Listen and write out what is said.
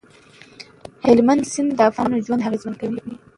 هلمند سیند د افغانانو ژوند اغېزمن کوي.